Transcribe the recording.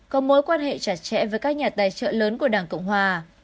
có mối quan hệ chặt chẽ với các nhà tài trợ lớn của đảng cộng hòa